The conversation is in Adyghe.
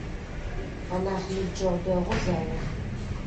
Анахь ныбджэгъу дэгъур Заур.